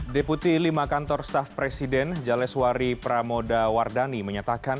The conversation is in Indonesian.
deputi lima kantor staff presiden jaleswari pramoda wardani menyatakan